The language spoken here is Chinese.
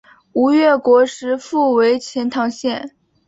吴越国时复为钱唐县。